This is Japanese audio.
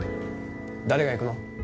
誰が行くの？